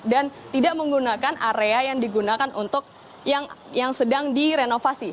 dan tidak menggunakan area yang digunakan untuk yang sedang direnovasi